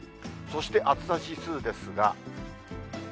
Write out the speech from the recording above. そして暑さ指数ですが。